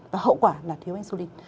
và hậu quả là thiếu insulin